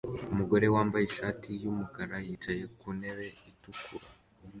Umugore wambaye ishati yumukara yicaye ku ntebe itukura